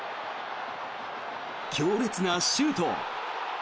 強烈なシュート。